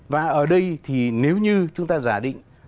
và ở đây thì nếu như chúng ta giả định